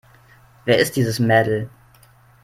Wer ist dieses Mädel?